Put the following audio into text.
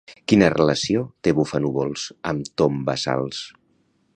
Quina relació té Bufanúvols amb Tombassals?